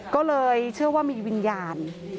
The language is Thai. ก็เลยเชื่อว่ามีวิญญาณ